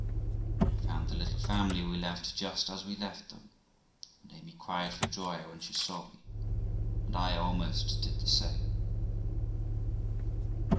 I found the little family we left just as we left them, and Amy cried for joy when she saw me, and I almost did the same.